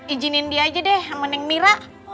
ijinin dia aja deh sama neng mira